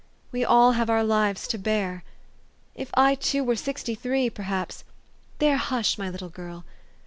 We all have our lives to bear. If I, too, were sixty three, perhaps there, hush, my little girl